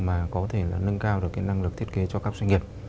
mà có thể là nâng cao được cái năng lực thiết kế cho các doanh nghiệp